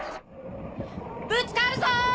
ぶつかるぞ！